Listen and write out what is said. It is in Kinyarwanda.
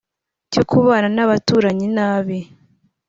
cyo kubana n’abaturanyi nabi